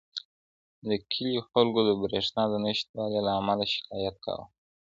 د کليو خلګو د بريښنا د نشتوالي له امله شکايت کاوه.